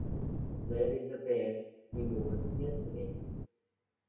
Where is the pair he wore yesterday?